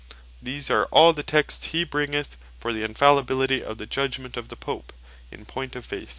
These are all the Texts hee bringeth for the Infallibility of the Judgement of the Pope, in point of Faith.